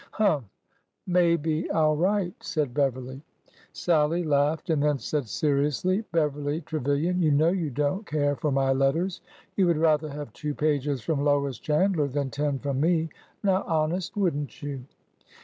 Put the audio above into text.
Humph! Maybe I 'll write! " said Beverly. Sallie laughed and then said seriously, '' Beverly Tre vilian, you know you don't care for my letters. You would rather have two pages from Lois Chandler than ten from me. Now, honest — wouldn't you?"